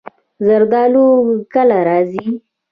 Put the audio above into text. زردالو کله راځي؟